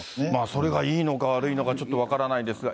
それがいいのか、悪いのかちょっと分からないですが。